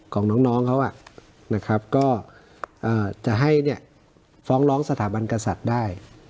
ของน้องน้องเขาอ่ะนะครับก็เอ่อจะให้เนี้ยฟ้องร้องสถาบันกษัตริย์ได้